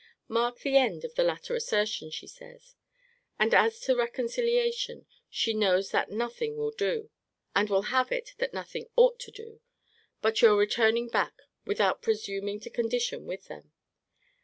Mark the end of the latter assertion, she says. And as to reconciliation, she knows that nothing will do, (and will have it, that nothing ought to do,) but your returning back, without presuming to condition with them.